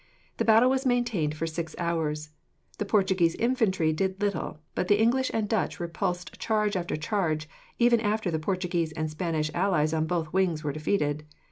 The battle was maintained for six hours. The Portuguese infantry did little, but the English and Dutch repulsed charge after charge, even after the Portuguese and Spanish allies on both wings were defeated.